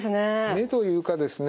目というかですね